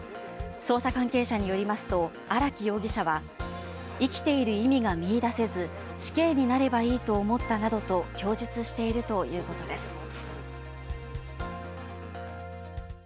捜査関係者によりますと荒木容疑者は、生きている意味が見いだせず死刑になればいいと思ったなどと供述しているということです。